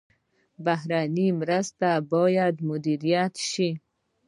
بهرنۍ مرستې باید مدیریت شي